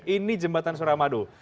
ini jembatan suramadu